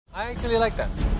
saya sebenarnya suka itu